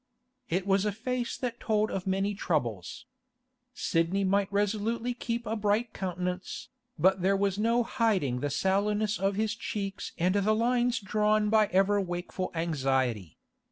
It was a face that told of many troubles. Sidney might resolutely keep a bright countenance, but there was no hiding the sallowness of his cheeks and the lines drawn by ever wakeful anxiety.